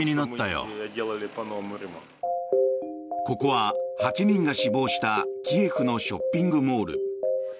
ここは８人が死亡したキエフのショッピングモール。